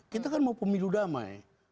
kita kan mau pemilu damai